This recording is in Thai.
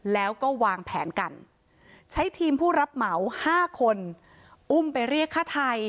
แล้วก็วางแผนกันใช้ทีมผู้รับเหมา๕คนอุ้มไปเรียกฆ่าไทย